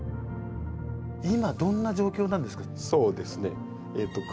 今どんな状況なんですか？